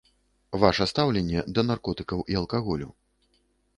Ваша стаўленне да наркотыкаў і алкаголю.